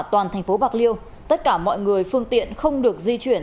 toàn thành phố bạc liêu tất cả mọi người phương tiện không được di chuyển